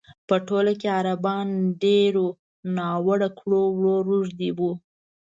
په ټول کې عربان ډېرو ناوړه کړو وړو روږ دي وو.